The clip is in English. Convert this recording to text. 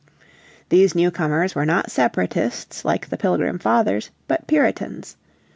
These newcomers were not Separatists like the Pilgrim Fathers but Puritans.